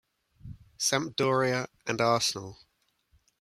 Sampdoria and Arsenal.